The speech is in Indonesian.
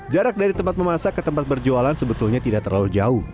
jarak dari tempat memasak ke tempat berjualan sebetulnya tidak terlalu jauh